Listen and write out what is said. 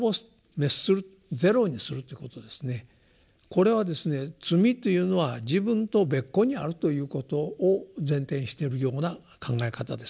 これはですね罪というのは自分と別個にあるということを前提にしているような考え方ですね。